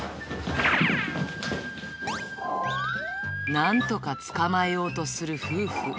なんとか捕まえようとする夫婦。